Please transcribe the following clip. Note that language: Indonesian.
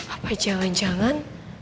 apa jangan jangan